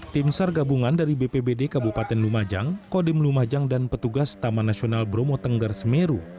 tim sar gabungan dari bpbd kabupaten lumajang kodim lumajang dan petugas taman nasional bromo tengger semeru